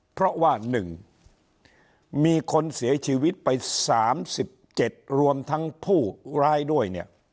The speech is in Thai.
เพราะว่า๑มีคนเสียชีวิตไป๓๗รวมทั้งผู้ร้ายด้วยเนี่ย